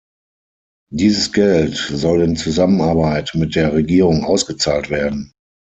Dieses Geld soll in Zusammenarbeit mit der Regierung ausgezahlt werden.